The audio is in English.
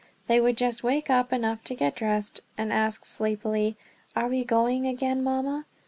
They would just wake up enough to get dressed and ask sleepily, "Are we going again, Mama?"